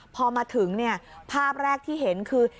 พอมาถึงเนี่ยภาพแรกที่เห็นคือ